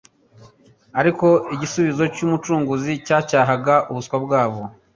ariko igisubizo cy'Umucunguzi cyo cyacyahaga ubuswa bwabo.